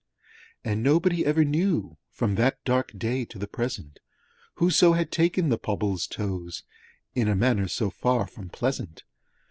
V And nobody ever knew From that dark day to the present, Whoso had taken the Pobble's toes, In a manner so far from pleasant.